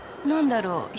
何だろう？